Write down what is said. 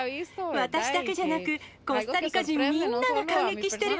私だけじゃなく、コスタリカ人みんなが感激してる。